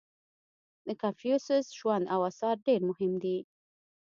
• د کنفوسیوس ژوند او آثار ډېر مهم دي.